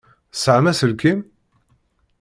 Tesεam aselkim?